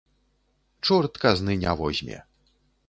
Чорт казны не возьме.